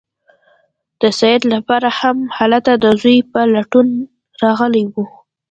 د سید پلار هم هلته د زوی په لټون راغلی و.